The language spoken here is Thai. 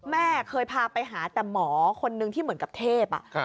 แม่เคยพาไปหาแต่หมอคนนึงที่เหมือนกับเทพ